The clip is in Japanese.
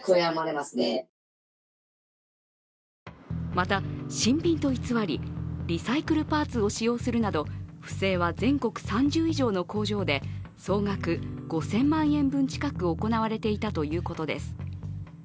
また、新品と偽り、リサイクルパーツを使用するなど不正は全国３０以上の工場で総額５０００万円近く行われていたということです。